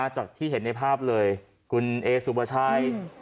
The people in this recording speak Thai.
จากที่เห็นในภาพเลยคุณเอสุภาชัย